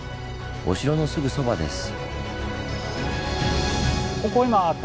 お城のすぐそばです。